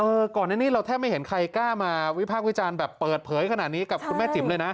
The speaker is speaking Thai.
ก่อนอันนี้เราแทบไม่เห็นใครกล้ามาวิพากษ์วิจารณ์แบบเปิดเผยขนาดนี้กับคุณแม่จิ๋มเลยนะ